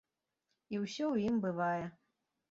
І ўсё ў ім бывае.